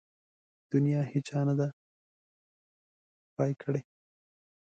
د نيا هيچا نده پاى کړې.